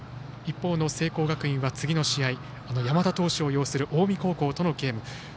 一方の聖光学院は次の試合、山田投手を擁する近江高校とのゲーム。